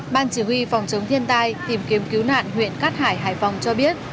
ban chỉ huy phòng chống thiên tai tìm kiếm cứu nạn huyện cát hải hải phòng cho biết